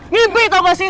ngimpi tau gak sih